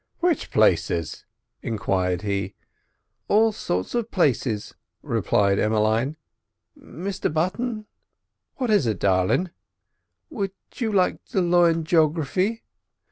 "Which places?" enquired he. "All sorts of places," replied Emmeline. "Mr Button!" "What is it, darlin'?" "Would you like to learn g'ography?"